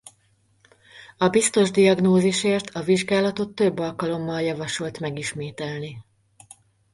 A biztos diagnózisért a vizsgálatot több alkalommal javasolt megismételni.